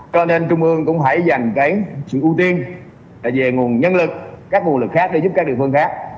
cho nên trung ương cũng phải dành sự ưu tiên về nguồn nhân lực các nguồn lực khác để giúp các địa phương khác